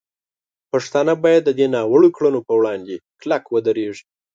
پښتانه باید د دې ناوړه کړنو په وړاندې کلک ودرېږي.